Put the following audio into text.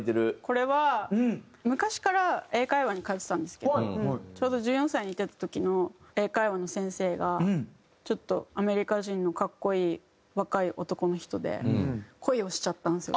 これは昔から英会話に通ってたんですけどちょうど１４歳に行ってた時の英会話の先生がちょっとアメリカ人の格好いい若い男の人で恋をしちゃったんですよ。